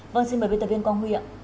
vâng xin mời biên tập viên quang huy ạ